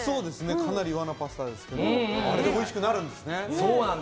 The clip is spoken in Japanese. かなり和のパスタですけどあれでおいしくなるんですね。